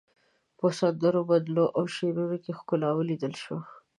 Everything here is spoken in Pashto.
په سندرو، بدلو او شعرونو کې ښکلا وليدل شوه.